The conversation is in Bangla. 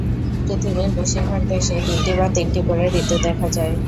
পৃথিবীর বেশিরভাগ দেশেই দুইটি বা তিনটি করে ঋতু দেখা যায়।